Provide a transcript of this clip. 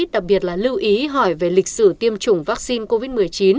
đặc biệt là lưu ý hỏi về lịch sử tiêm chủng vaccine covid một mươi chín